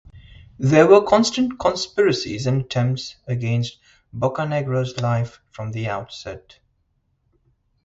There were constant conspiracies and attempts against Boccanegra's life from the outset.